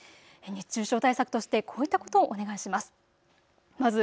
熱中症対策としてこういったことをお願いします。